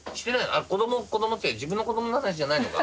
あっ子ども子どもって自分の子どもの話じゃないのか。